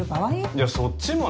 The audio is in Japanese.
いやそっちもね。